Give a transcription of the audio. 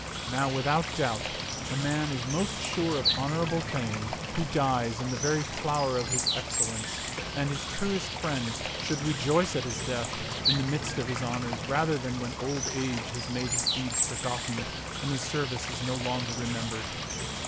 Now without doubt a man is most sure of honorable fame who dies in the very flower of his excellence, and his truest friends should rejoice at his death in the midst of his honors rather than when old age has made his deeds forgotten and his service is no longer remembered.